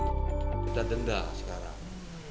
kita denda sekarang